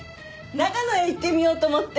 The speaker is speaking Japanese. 長野へ行ってみようと思って。